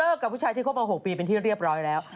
กับผู้ชายที่คบมา๖ปีเป็นที่เรียบร้อยแล้ว